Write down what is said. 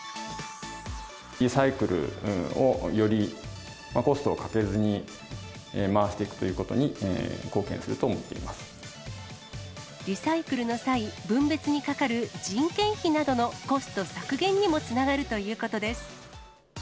リサイクルを、よりコストをかけずに回していくということに貢献すると思っていリサイクルの際、分別にかかる人件費などのコスト削減にもつながるということです。